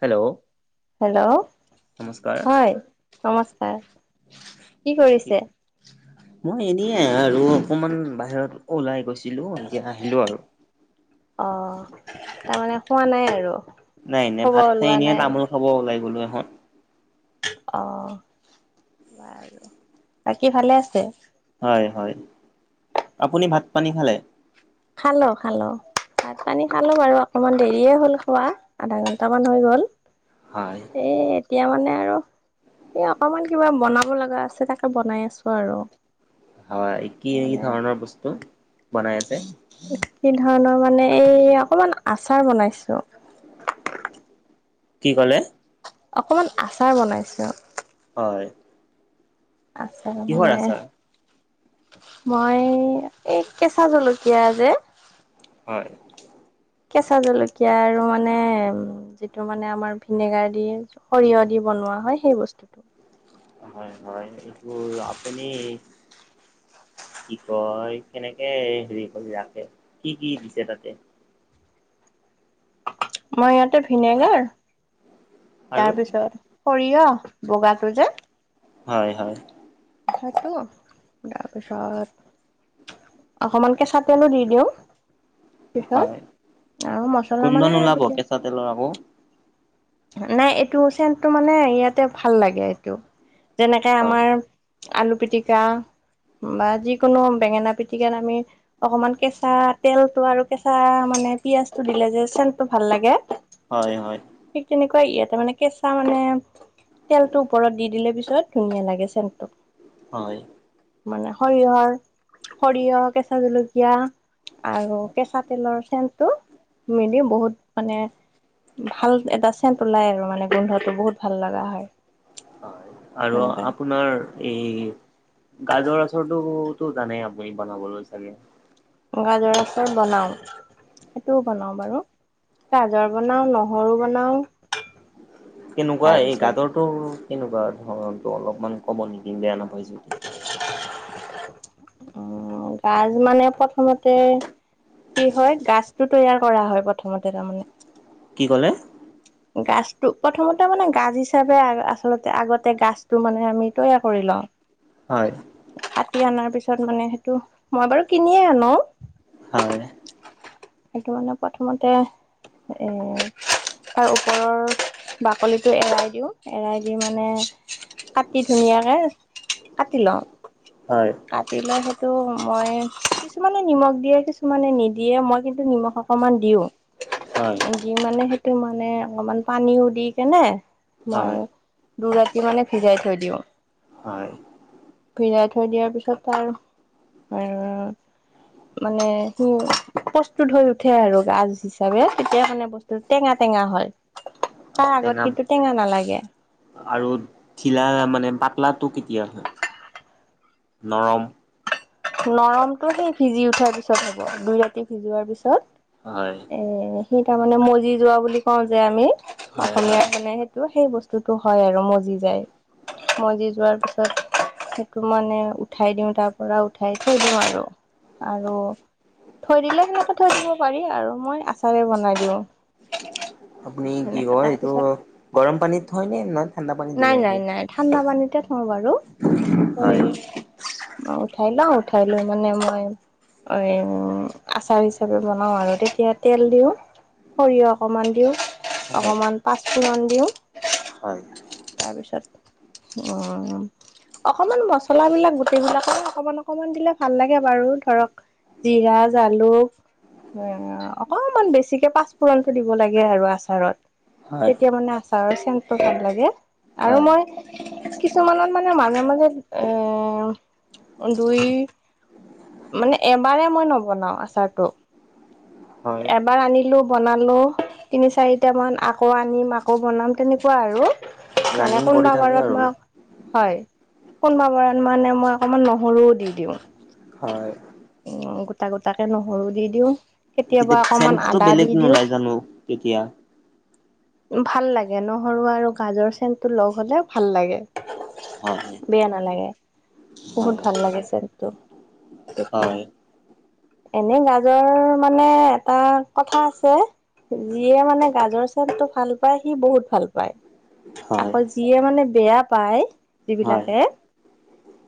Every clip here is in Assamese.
হেল্ল'। হেল্ল' নমস্কাৰ হয় নমস্কাৰ, কি কৰিছে? মই এনে আৰু অকমান বাহিৰত ওলাই গৈছিলো এতিয়া আহিলো আৰু। অ' তাৰমানে শুৱা নাই আৰু। নাই নাই ভাত খবৰ খাই লোৱা এনেই নাই তামোল খাব ওলাই গলো এখন। অ' বাৰু বাকী ভালে আছে? হয় হয়, আপুনি ভাত পানী খালে? খালো খালো। ভাত পানী খালো বাৰু অকমান দেৰিয়ে হ'ল খোৱা আধা ঘণ্টাামান হৈ গল। হয়। এই, এতিয়া মানে আৰু এই, অকমান কিবা বনাব লগা আছে, তাকে বনাই আছোঁ আৰু। হয়, কি কি মানে ধৰণৰ বস্তু বনাই আছে? কি ধৰণৰ মানে? এই অকমান আচাৰ বনাইছোঁ। কি ক'লে? অকমান আচাৰ বনাইছোঁ। হয়। আছে কিহৰ মানে আচাৰ মই এই কেঁচা জলকীয়া যে হয়। কেঁচা জলকীয়া আৰু মানে যিটো মানে আমাৰ ভিনেগাৰ দি, সৰিয়হ দি বনোৱা হয় সেই বস্তুটো। হয় হয়, এইবোৰ আপুনি কি কয়, কেনেকে হেৰি কৰি ৰাখে? কি কি দিছে তাতে? মই ইয়াতে ভিনেগাৰ আৰু তাৰপিছত সৰিয়হ বগাটো যে। হয়, হয়। সেইটো তাৰপিছত অকমান কেঁচা তেলো দি দিওঁ। পিছত হয় আৰু মছলা মানে বিশেষ তাতে লয় আকৌ নাই, এইটো চেণ্টো মানে ইয়াতে ভাল লাগে, এইটো যেনেকে হয় আমাৰ আলু পিটিকা বা যিকোনো বেঙেনা পিটিকাত আমি অকমান কেঁচা তেলটো আৰু কেঁচা মানে পিয়াজটো দিলে যে চেণ্টো ভাল লাগে। হয়, হয়। ঠিক তেনেকুৱা, ইয়াতে মানে কেঁচা মানে তেলটো ওপৰত দি দিলে পিছত ধুনীয়া লাগে চেণ্টো। হয়। মানে সৰিয়হৰ, সৰিয়হ কেঁচা জলকীয়া আৰু কেঁচা তেলৰ চেণ্টো মিলি বহুত মানে ভাল এটা চেণ্ট ওলাই আৰু মানে গোন্ধটো বহুত ভাল লগা হয়। হয়, আৰু সেনেকে আপোনাৰ এই, গাজৰ আচাৰটোতো জানে আপুনি বনাবলৈ চাগে? গাজৰ আচাৰ বনাওঁ। সেইটোও বনাও বাৰু, গাজৰ বনাও, নহৰু বনাও। কেনেকুৱা, এই তাৰপিছত গাজৰটো কেনেকুৱা ধৰ অলপমান ক'ব নেকি, বেয়া নাপাই যদি? উ, গাজ মানে প্ৰথমতে কি হয়? গাছটো তৈয়াৰ কৰা হয় প্ৰথমতে তাৰমানে। কি ক'লে? গাজটো প্ৰথমতে মানে, গাজ হিচাপে আচলতে আগতে গাজটো মানে আমি তৈয়াৰ কৰি লওঁ। হয়। কাটি অনাৰ পিছত মানে সেইটো মই বাৰু কিনিয়ে আনো। হয়। সেইটো মানে প্ৰথমতে এ তাৰ ওপৰৰ বাকলিটো এৰাই দিওঁ, এৰাই দি মানে কাটি ধুনীয়াকে কাটি লওঁ। হয়। কাটি লও সেইটো মই কিছুমানে নিমখ দিয়ে কিছুমানে নিদিয়ে মই কিন্তু নিমখ অকণমান দিওঁ। [inaudible] হয়। দি মানে সেইটো মানে অকমান পানীও দি কেনে মই হয়, দুই ৰাতি মানে ভিজাই থৈ দিওঁ। হয়। ফিৰাই থৈ দিয়াৰ পিছত তাৰ আৰু মানে সি প্ৰস্তুত হৈ উঠে আৰু গাজ হিচাপে তেতিয়া মানে বস্ত- টো টেঙা টেঙা হয় তাৰ টেঙা আগত কিন্তু টেঙা নালাগে। আৰু ঢিলা মানে পাতলাটো কেতিয়া হয় নৰম। নৰমতটো সেই সিজি উঠাৰ পিছত হ'ব দুই ৰাতি সিজোৱাৰ পিছত। হয়। এ সেই তাৰমানে মজি যোৱা বুলি কওঁ যে আমি হয়, অসমীয়া হয়। মানে ত সেই বস্তুটো হয় আৰু মজি যায়। মজি যোৱাৰ পিছত সেইটো মানে উঠাই দিওঁ তাৰ পৰা। উঠাই থৈ দিওঁ আৰু আৰু থৈ দিলে সেনেকে থৈ দিব পাৰি আৰু মই আচাৰে বনাই দিওঁ। আপুনি কি সেনেকে কয় এইটো তাৰপিছত গৰম পানীত থয় নে না- নাই নাই নাই ঠাণ্ডা পানীতে থওঁ বাৰু। হয়, মই উঠাই লওঁ উঠাই লৈ মানে মই এই আচাৰ হিচাপে বনাওঁ আৰু তেতিয়া তেল দিওঁ। সৰিয়হ অকণমান দিওঁ হয়, অকণমান পাঁচফুৰণ দিওঁ। হয়, তাৰপিছত উ অকমান মচলাবিলাক গোটেইবিলাকে অকমান অকমান দিলে ভাল লাগে বাৰু ধৰক জিৰা, জালুক অকনমান বেছিকে পাঁচফুৰণটো দিব লাগে আৰু আচাৰত হয়, তেতিয়া মানে আচাৰৰ চেনটো ভাল লাগে। আৰু হয়, মই কিছুমানত মানে মাজে মাজে এ দুই মানে এবাৰে মই নবনাও আচাৰটো। হয়, এবাৰ আনিলো বনালো তিনি চাৰিটামান আকৌ আনিম আকৌ বনাম তেনেকুৱা আৰু। মানে ৰানিং কৰি কোনবা থাকে বাৰত আৰু। মই হয় কোনবা মৰাণ মানে মই অকমান নহৰুও দি দিওঁ। হয়। উ গোটা গোটাকে নহৰু দি দিও তেতিয়া কেতিয়াবা অকনমান চেণ্টটো আদা বেলেগ দি দিওঁ। নোলাই জানো তেতিয়া ভাল লাগে নহৰু আৰু গাজৰ চেনটো লগ হ'লে ভাল লাগে। হয়নে? বেয়া নালাগে বহুত ভাল লাগে চেণ্টো তেতিয়া হয়, এনে গাজৰ মানে এটা কথা আছে। যিয়ে মানে গাজৰ চেটটো ভাল পায় সি বহুত ভাল পায়। হয়, হয়। আকৌ যিয়ে মানে বেয়া পায় হয়। যিবিলাকে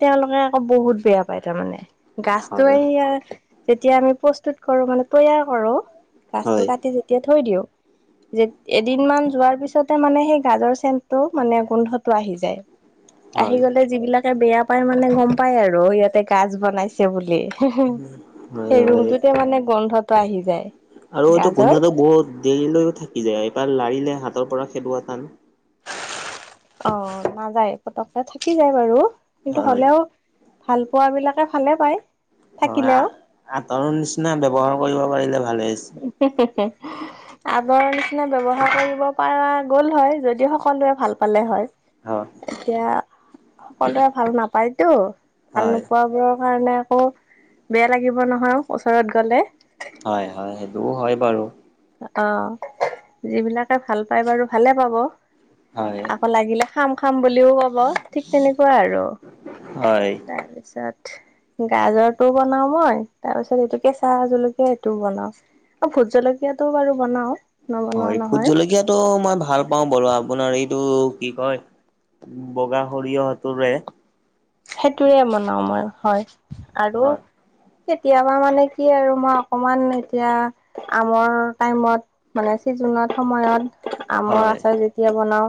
তেওঁলোকে আকৌ বহুত বেয়া পায় তাৰমানে গাছতো হয়, এইয়া যেতিয়া আমি প্ৰস্তুত কৰো মানে তৈয়াৰ কৰো গাছটো হয়, কাটি যেতিয়া থৈ দিওঁ যে এদিন মান যোৱাৰ পিছতে মানে সেই গাজৰ চেনটো মানে গোন্ধটো আহি যায় আহি গলে যিবিলাকে বেয়া পায় মানে গম পায় আৰু ইয়াতে গাজ বনাইছে বুলি হু হু হয়, সেই হয়। ৰুমটোতে মানে গোন্ধটো আহি যায় আৰু এইটো গাজৰ গোন্ধটো বহুত দেৰিলৈও থাকি যায় এবাৰ লাৰিলে হাতৰ পৰা খেদোৱা টান অ নাযায় পতককে থাকি যায় বাৰু কিন্তু হয়, হলেও ভাল পোৱাবিলাকে ভালে পায় থাকিলেও আগৰ নিচিনা ব্যৱহাৰ কৰিব পাৰিলে ভালেই আছে হে হে হে আগৰ নিচিনা ব্যৱহাৰ কৰিব পৰা গ'ল হয় যদি সকলোৱে ভাল পালে হয় হয়, এতিয়া সকলোৱে ভাল নাপায়তো ভাল হয়, নোপোৱাবোৰৰ কাৰণে আকৌ বেয়া লাগিব নহয় ওচৰত গলে হয় হয় সেইটোও হয় বাৰু অ যিবিলাকে ভাল পাই বাৰু ভালে পাব হয়, আকৌ লাগিলে খাম খাম বুলিও কব ঠিক তেনেকোৱা আৰু হয়, তাৰপিছত গাজৰটোও বনাও মই তাৰ পিছত এইটোকে চাহ জলকীয়া এইটোও বনাও আৰু ভোট জল কীয়াটো বাৰু বনাও হয় ভোট জলকীয়াটো মই ভাল পাও বাৰু আপোনাৰ এইটো কি কয় বগা সৰিয়হতোৰে সেইটোৱে বনাও মই হয় আৰু হয়, কেতিয়াবা মানে কি আৰু মই অকমান এতিয়া আমৰ টাইমত মানে ছিজনত সময়ত আমৰ হয় আচাৰ যেতিয়া বনাও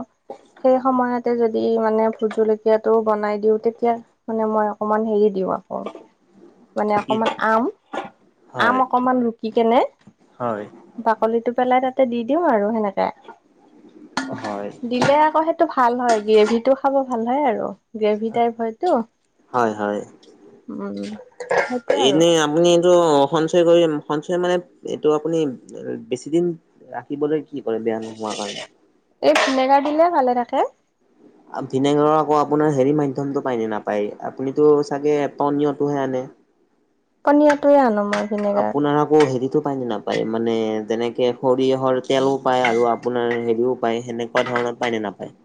সেই সময়তে যদি মানে ভোট জলকীয়াটো বনাই দিওতে এতিয়া মানে মই অকমান হেৰি দিও আকৌ মানে কি অকমান আম আম হয় অকমান ৰুকি কেনে হয় বাকলিটো পেলাই তাতে দি দিও আৰু সেনেকে হয় দিলে আকৌ সে টো ভাল হয় গ্ৰেভিটো খাব ভাল হয় আৰু গ্ৰেভি টাইপ হয় অ হয় হয় উম সেইটোৱে আৰু এনে আপুনি এইটো সঞ্চয় কৰি সঞ্চয় মানে এইটো আপুনি বেছিদিন ৰাখিবলৈ কি কৰে বেয়া নোহোৱা কাৰণে এই ভিনেগাৰ দিলে ভালে থাকে ভিনেগাৰৰ আকৌ আপোনাৰ হেৰি মাধ্যমটো পায়নে নাপায় আপুনিতো চাগে পনীয়টোহে আনে পনিয়টোৱে আনো মই ভিনেগাৰ আপোনাৰ আকৌ হেৰিতো পায় নে না পায় মানে যেনেকে সৰিয়হৰ তেলো পায় আৰু আপোনাৰ হেৰিও পায় সেনেকোৱা ধৰণৰ পায় নে নাপায়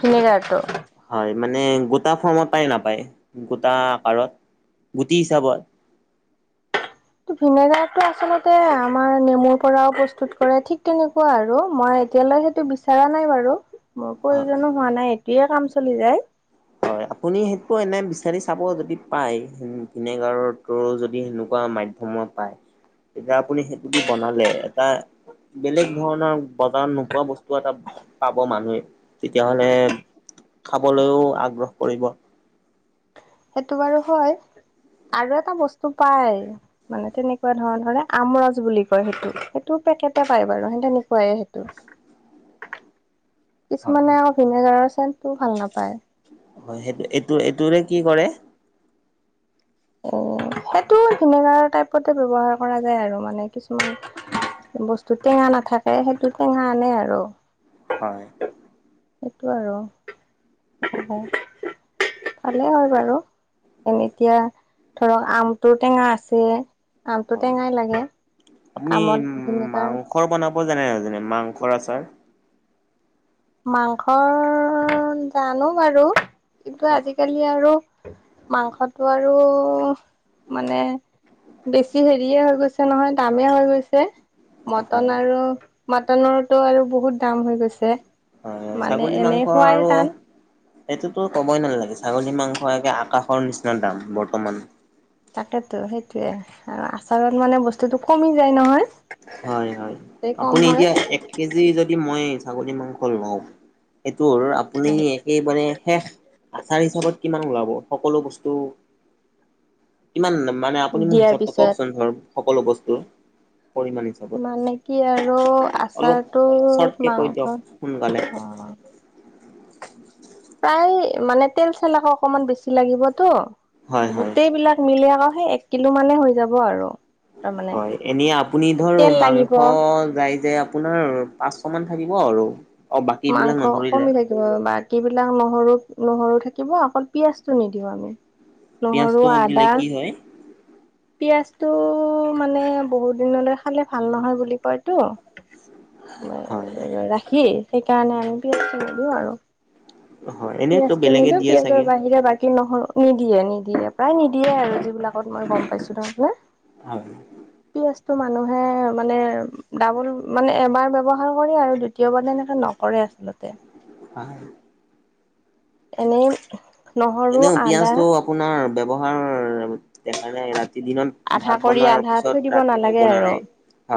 ভিনেগাৰটো হয় মানে গোটা ফৰ্মত পাই নাপায় গোটা আকাৰত গুটি হিচাপত ভিনেগাৰটো আচলতে আমাৰ নেমুৰ পৰাও প্ৰস্তুত কৰে ঠিক তেনে কোৱা আৰু মই এতিয়ালৈ সেইটো বিচৰা নাই বাৰু মোৰ হয় প্ৰয়োজনো হোৱা নাই সেটোৱে কাম চলি যায় হয় আপুনি সেইটো এনে বিচাৰি চাব যদি পায় ভিনেগাৰতো যদি সেনেকোৱা মা সময় পায় তেতিয়া আপুনি সেইটোদি বনালে এটা বেলেগ ধৰণৰ বজাৰত নোপোৱা বস্তু এটা- পাব মানুহে, তেতিয়া হ'লে, খাবলৈও আগ্ৰহ কৰিব। সেইটো বাৰু হয়, আৰু এটা বস্তু পাই। মানে তেনেকুৱা ধৰণৰে আমৰজ বুলি কয় সেইটো সেইটো পেকেটে পায় বাৰু স তেনেকুৱাই সেইটো। হয় কিছুমানে ভিনেয়গাৰৰ চেনটো ভাল নাপায়। হয় সেইটো এইটো এইটোৰে কি কৰে? অহ সেইটো ভিনেগাৰ টাইপতে ব্যৱহাৰ কৰা যায় আৰু মানে কিছুমান- বস্তু টেঙা নাথাকে সেইটো টেঙা আনে আৰু- হয়। সেইটো আৰু, ভালে হয় বাৰু। এ এতিয়া ধৰক আমটোৰ টেঙা আছে- আমটো হয় টেঙাই লাগে, আমত ভিনেগাৰ- চব বনাব জানে যেনে মাংসৰ আচাৰ। মাংসৰ জানো বাৰু, কিন্তু আজিকালি আৰু- মাংসটো আৰু, মানে- বেছি হেৰিয়ে হৈ গৈছে নহয় দামেই হৈ গৈছে। হয় হয় মটন আৰু মটনৰতটো আৰু বহুত দাম হৈ গৈছে। হয় হয় মানে ছাগলী এনেই মাংস খোৱাই টান আৰু- এইটোতো ক'বই নালাগে ছাগলী মাংস একে আকাশৰ নিচিনা দাম বৰ্তমান- তাকেতো সেইটোয়ে আৰু আচাৰত মানে বস্তুতটো কমি যায় নহয়। হয় হয় তাতে কম আপুনি হয় এতিয়া এক- কেজি যদি মই ছাগলী মাংস লওঁ, সেইটোৰ আপুনি- সেই মানে শেষ আচাৰ হিচাপত কিমান ওলাব সকলো বস্তু- কিমান মানে আপুনি মোক দিয়াৰ হিচাপটো পিছত কওকচোন ধৰ সকলো বস্তুৰ পৰিমাণটো? মানে কি আৰু আচাৰটো চৰ্টকে কৈ দিয়ক সোনকালে মাংসত, অহ- প্ৰায় মানে তেল চেলক অকনমান বেছি লাগিবতো, হয় হয় গোটেইবিলাক - মিলি আকৌ সেই এক কিলো মানে হৈ যাব আৰু। তাৰমানে হয় এনে আপুনি ধৰ তেল লাগিব মাংস যাই যে- আপোনাৰ পাঁচশমান থাকিব আৰু অ মাংস বাকীবিলাক কমি নধৰিলে। থাকিব বাকী বিলাক নহৰু নহৰু থাকিব অকল পিয়াজটো নিদিও আমি। নহৰু পিয়াজটো দিলে আদা- কি হয় পিয়াজটো মানে বহুত দিনলৈ খালে ভাল নহয় বুলি কয়তো। হয় ৰাখি সেইকাৰণে আমি বি দিও আৰু। হয় এনেইতো পিয়াজটো বেলেগে নিলো দিয়ে চাগে পিয়াজৰ বাহিৰে বাকী - কি নহ নিদিয়ে নিদিয়ে প্ৰায় নিদিয়ে আৰু যিবিলাকত মই গম পাইছো এতিয়া। হয়। পিয়জটো মানুহে মানে- ডাবোল মানে এবাৰ ব্যৱহাৰ কৰে আৰু দ্বিতীয়বাৰ তেনেকে নকৰে আচলতে। হয়। এনেই- নহৰু এনেও আদা পিয়াজটো আপোনাৰ ব্যৱহাৰ দেখা নাই ৰাতি দিনত- আধা ভাত কৰি বনোৱাৰ আধা থৈ পিছত দিব ৰাতি নালাগে আৰু নবনাই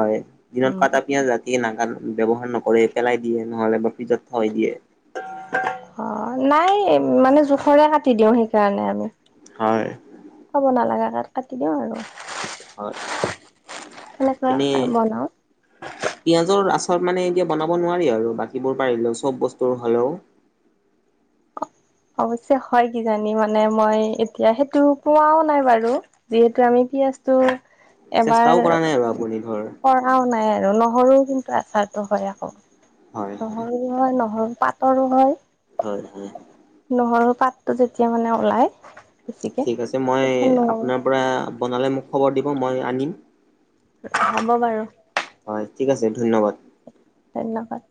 হয় উম দিনত কাটা পিয়াজ - গতিকে নাগান ব্যৱহাৰ নকৰে পেলাই দিয়ে নহ'লে বা ফ্ৰিজত থোৱাই দিয়ে। অ নাই মানে জোখৰে কাটি দিও সেইকাৰণে আমি। হয়। খাব নালাগা কাটি দিওঁ আৰু হয় সেনেকুৱা বনাও পিঁয়াজৰ আচাৰ মানে এতিয়া বনাব নোৱাৰি আৰু বাকীবোৰ পাৰিলেও চব বস্তুৰ হ'লেও? অৱশ্যে হয় কিজানি মানে মই এতিয়া সেইটো পোৱাও নাই বাৰু। যিহেতু আমি পিয়য়াজটো চেষ্টাও এবাৰ কৰা নাই আৰু আপুনি ধৰ ক ৰাও নাই আৰু নহৰু কিন্তু আচাৰটো হয় আক'। হয়। নহৰু হয় নহৰু পাটৰো হয়। হয় হয়। নহৰু পাতটো যেতিয়া মানে ওলাই বেছিকে ঠিক আছে মই তেতিয়া নহৰু আপোনাৰ পৰা বনালে মোক খবৰ দিব, মই আনিম। হ'ব বাৰু। হয় ঠিক আছে, ধন্যবাদ। ধন্যবাদ।